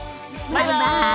バイバイ！